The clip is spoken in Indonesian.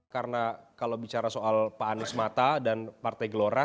karena kalau bicara soal pak anies mata dan partai gelora